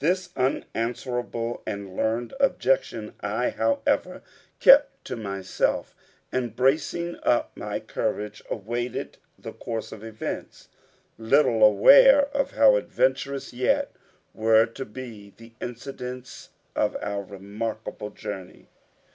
This unanswerable and learned objection I, however, kept to myself and, bracing up my courage, awaited the course of events little aware of how adventurous yet were to be the incidents of our remarkable journey.